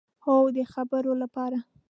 هو، د خبرو لپاره